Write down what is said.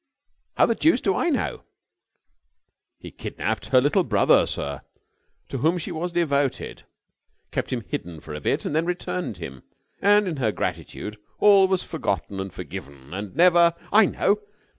"How the deuce do I know?" "He kidnapped her little brother, sir, to whom she was devoted, kept him hidden for a bit, and then returned him, and in her gratitude all was forgotten and forgiven, and never...." "I know.